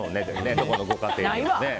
どこのご家庭にも。